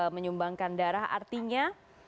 menyumbangkan darah artinya